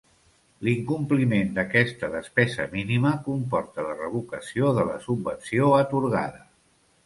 L'incompliment d'aquesta despesa mínima comporta la revocació de la subvenció atorgada.